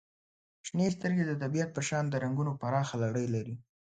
• شنې سترګې د طبیعت په شان د رنګونو پراخه لړۍ لري.